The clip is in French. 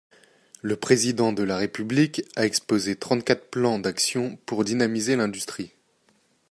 Le Président de la République a exposé trente-quatre plans d’actions pour dynamiser l’industrie.